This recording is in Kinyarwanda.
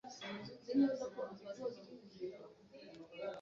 karasira yavuze ko yatekerezaga ko Mariya adashobora gusoma adafite ibirahure.